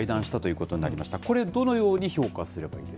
これ、どのように評価すればいい